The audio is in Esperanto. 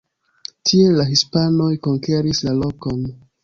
Tiele la hispanoj konkeris la lokon.